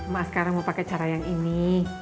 mas sekarang mau pakai cara yang ini